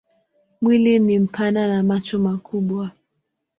Mwili ni mpana na macho makubwa.